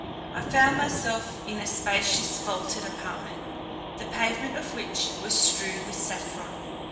I found myself in a spacious vaulted apartment, the pavement of which was strewed with saffron.